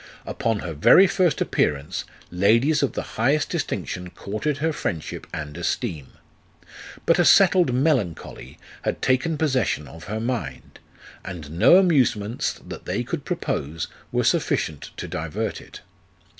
Upon her very first appearance, ladies of the highest distinction courted her friendship and esteem ; but a settled melancholy had taken possession of her mind, and no amusements that they could propose were sufficient to divert it.